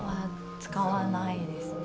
使わないですね。